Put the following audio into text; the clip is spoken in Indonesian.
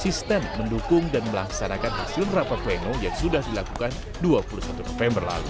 asisten mendukung dan melaksanakan hasil rapat pleno yang sudah dilakukan dua puluh satu november lalu